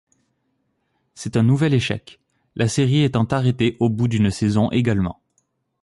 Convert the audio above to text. C'est un nouvel échec, la série étant arrêtée au bout d'une saison également.